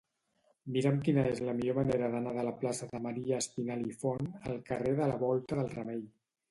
Mira'm quina és la millor manera d'anar de la plaça de Maria Espinalt i Font al carrer de la Volta del Remei.